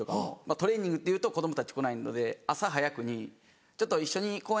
「トレーニング」って言うと子供たち来ないので朝早くにちょっと一緒に公園